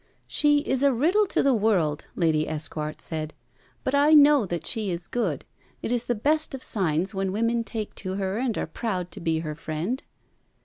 'She is a riddle to the world,' Lady Esquart said, 'but I know that she is good. It is the best of signs when women take to her and are proud to be her friend.'